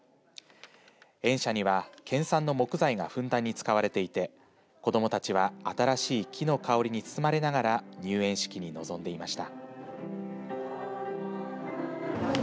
園舎には県産の木材がふんだんに使われていて子どもたちは新しい木の香りに包まれながら入園式に臨んでいました。